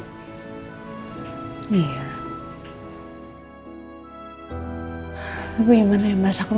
karena saya dan nino ada perjanjian hitam di atas putih